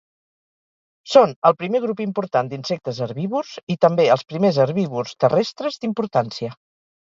Són el primer grup important d'insectes herbívors i també els primers herbívors terrestres d'importància.